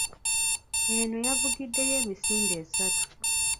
Eno yavugiddeyo emisinde esatu.